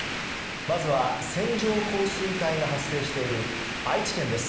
まずは線状降水帯が発生している愛知県です。